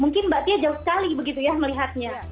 mungkin mbak tia jauh sekali begitu ya melihatnya